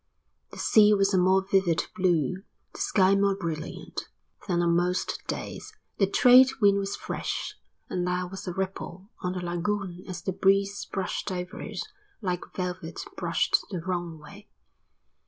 The sea was a more vivid blue, the sky more brilliant, than on most days, the trade wind was fresh, and there was a ripple on the lagoon as the breeze brushed over it like velvet brushed the wrong way.